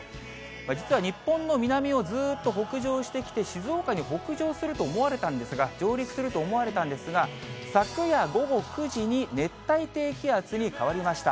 実は日本の南をずっと北上してきて、静岡に北上すると思われたんですが、上陸すると思われたんですが、昨夜午後９時に熱帯低気圧に変わりました。